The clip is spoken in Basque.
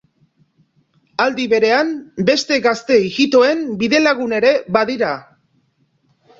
Aldi berean, beste gazte ijitoen bidelagun ere badira.